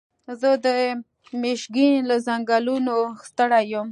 زه د مېشیګن له ځنګلونو ستړی یم.